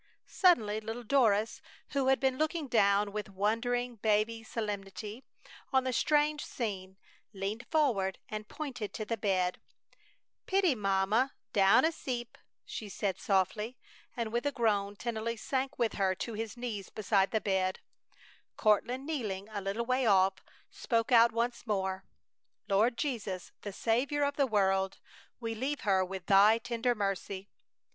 Suddenly little Doris, who had been looking down, with wondering baby solemnity on the strange scene, leaned forward and pointed to the bed. "Pitty mamma dawn as'eep!" she said, softly; and with a groan Tennelly sank with her to his knees beside the bed. Courtland, kneeling a little way off, spoke out once more: "Lord Jesus, the Saviour of the world, we leave her with Thy tender mercy!"